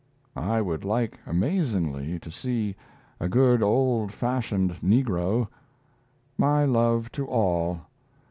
I would like amazingly to see a good old fashioned negro. My love to all.